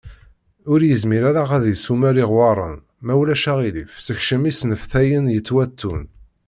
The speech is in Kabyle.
Ur yezmir ara ad d-isumer iɣewwaṛen, ma ulac aɣilif sekcem isenneftaɣen yettwattun.